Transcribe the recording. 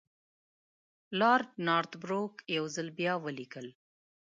لارډ نارت بروک یو ځل بیا ولیکل.